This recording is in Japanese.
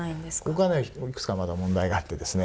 ここはね、いくつかまだ問題があってですね